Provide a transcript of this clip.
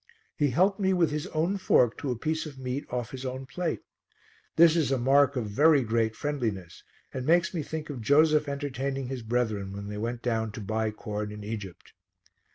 He helped me with his own fork to a piece of meat off his own plate. This is a mark of very great friendliness and makes me think of Joseph entertaining his brethren when they went down to buy corn in Egypt.